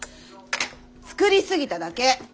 作りすぎただけ！